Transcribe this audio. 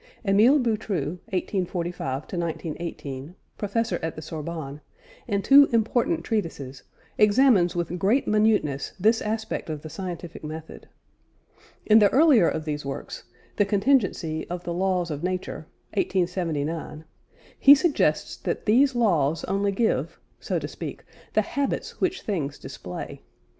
Émile Boutroux (1845 1918) Professor at the Sorbonne in two important treatises, examines with great minuteness this aspect of the scientific method. In the earlier of these works, The Contingency of the Laws of Nature (1879) he suggests that these laws only give, so to speak, the habits which things display.